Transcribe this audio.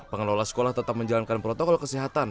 pengelola sekolah tetap menjalankan protokol kesehatan